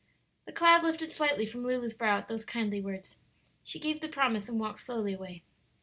The cloud lifted slightly from Lulu's brow at those kindly words. She gave the promise, and walked slowly away.